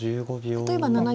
例えば７九。